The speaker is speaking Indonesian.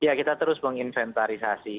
ya kita terus menginventarisasi